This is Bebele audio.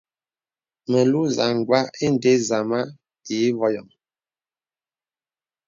Melùù zamgbā ìndə zāmā i vɔyaŋ.